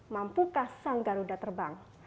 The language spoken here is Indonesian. mampukah sang garuda terbang